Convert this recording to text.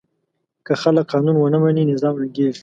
که خلک قانون ونه مني، نظام ړنګېږي.